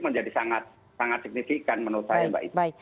menjadi sangat signifikan menurut saya